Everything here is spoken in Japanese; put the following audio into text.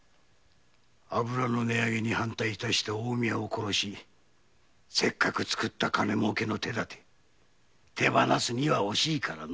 油の値上げに反対した近江屋を殺しせっかく作った金儲けの手だて手放すには惜しいからな。